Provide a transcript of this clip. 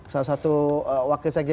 salah satu wakil segi